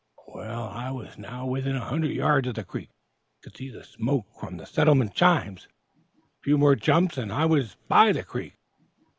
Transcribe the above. "I was now within a hundred yards of the creek, could see the smoke from the settlement chimneys. A few more jumps, and I was by the creek.